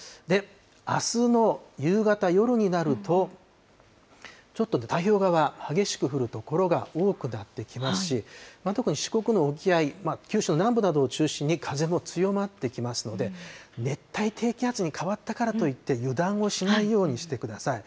あすの夕方、夜になると、ちょっとね、太平洋側、激しく降る所が多くなってきますし、特に四国の沖合、九州の南部などを中心に風も強まってきますので、熱帯低気圧に変わったからといって、油断をしないようにしてください。